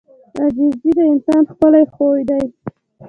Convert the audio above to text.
• عاجزي د انسان ښکلی خوی دی.